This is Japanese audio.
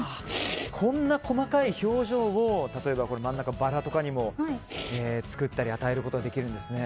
こんな細かい表情を例えばバラとかにも作ったり、与えることができるんですね。